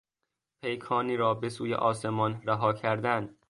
پیکانی را بهسوی آسمان رها کردن